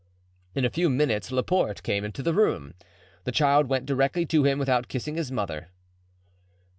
In a few minutes Laporte came into the room. The child went directly to him without kissing his mother.